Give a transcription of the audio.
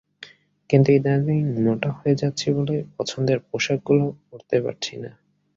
কিন্তু ইদানীং মোটা হয়ে যাচ্ছি বলে পছন্দের পোশাকগুলো পরতে পারছি না।